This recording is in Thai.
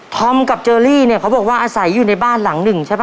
กับเจอรี่เนี่ยเขาบอกว่าอาศัยอยู่ในบ้านหลังหนึ่งใช่ป่